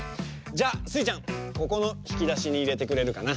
じゃあスイちゃんここのひきだしにいれてくれるかな。